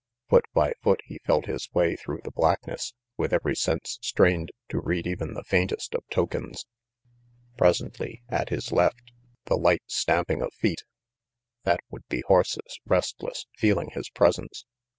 Foot by foot he felt his way through the blackness, RANGY PETE 107 with every sense strained to read even the faintest of tokens. Presently, at his left, the light stamping of feet! That would be horses, restless, feeling his presence.